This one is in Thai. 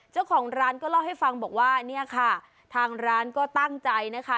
เจ้าของร้านก็เล่าให้ฟังบอกว่าเนี่ยค่ะทางร้านก็ตั้งใจนะคะ